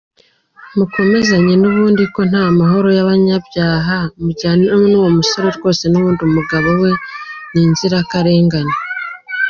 Mukomezanye nubundi ko ntamahoro yabanyabyaha, mujyane nuwo musore rwose, nubundi umugabo wawe ninzirakarengane.